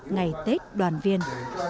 ngày tết đoàn viên